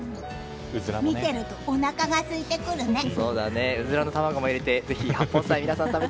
見てるとおなかがすいてくるね。女性）